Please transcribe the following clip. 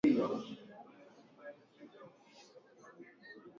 ya matokeo ya uchanguzi wa nchini marekani mathlan gazeti la kikomunisti hili